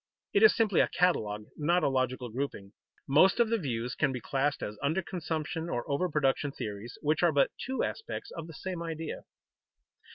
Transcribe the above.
It is simply a catalogue, not a logical grouping. Most of the views can be classed as under consumption or over production theories, which are but two aspects of the same idea.